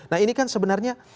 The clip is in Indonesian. nah ini kan sebenarnya